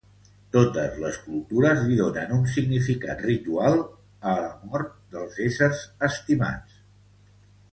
Totes les cultures li donen un significat ritual a la mort dels éssers estimats.